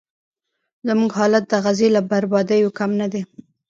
زموږ حالت د غزې له بربادیو کم نه دی.